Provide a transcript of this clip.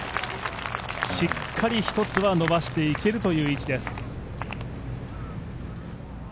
しっかり１つは伸ばしていけるという位置です。